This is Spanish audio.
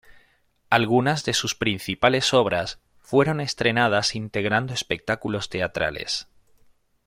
Algunas de sus principales obras fueron estrenadas integrando espectáculos teatrales.